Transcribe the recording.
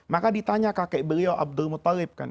maka ditanya kakek beliau abdul mutalib kan